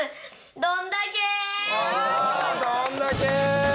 どんだけ！